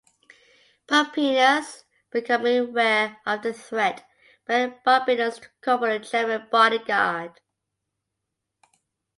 Pupienus, becoming aware of the threat, begged Balbinus to call for the German bodyguard.